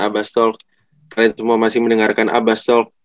abas talk kalian semua masih mendengarkan abas talk